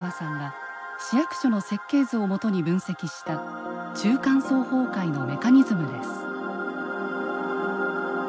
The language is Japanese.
福山さんが市役所の設計図をもとに分析した中間層崩壊のメカニズムです。